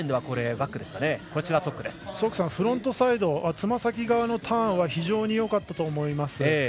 ツォックさんはフロントサイドつま先側のターンは非常によかったと思います。